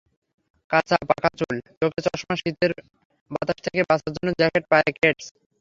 কাঁচা-পাকা চুল, চোখে চশমা, শীতের বাতাস থেকে বাঁচার জন্য জ্যাকেট, পায়ে কেডস।